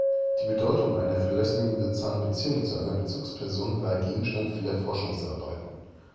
Die Bedeutung einer verlässlichen sozialen Beziehung zu einer Bezugsperson war Gegenstand vieler Forschungsarbeiten.